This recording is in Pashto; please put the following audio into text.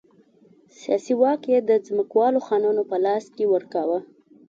سیاسي واک یې د ځمکوالو خانانو په لاس کې ورکاوه.